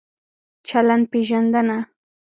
چلند پېژندنه